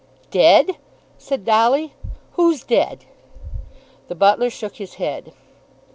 "Dead!" said Dolly. "Who's dead?" The butler shook his head.